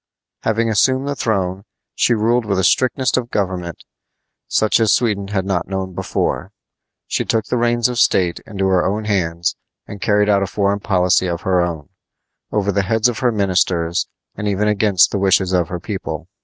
Having assumed the throne, she ruled with a strictness of government such as Sweden had not known before. She took the reins of state into her own hands and carried out a foreign policy of her own, over the heads of her ministers, and even against the wishes of her people.